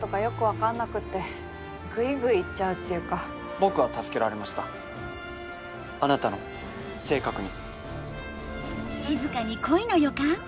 僕は助けられましたあなたの性格に。